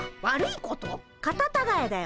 カタタガエだよ。